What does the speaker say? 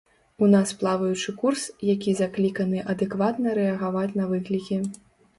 У нас плаваючы курс, які закліканы адэкватна рэагаваць на выклікі.